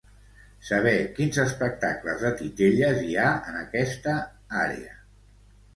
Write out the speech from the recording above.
Saber quins espectacles de titelles hi ha en aquesta àrea.